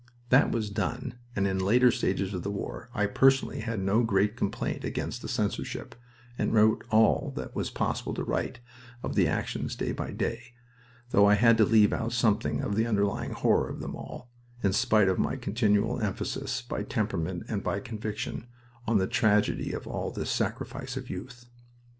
That was done, and in later stages of the war I personally had no great complaint against the censorship, and wrote all that was possible to write of the actions day by day, though I had to leave out something of the underlying horror of them all, in spite of my continual emphasis, by temperament and by conviction, on the tragedy of all this sacrifice of youth.